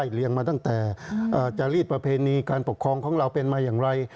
เลี้ยงมาตั้งแต่จารีดประเพณีการปกครองของเราเป็นมาอย่างไร